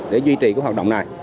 để duy trì các hoạt động này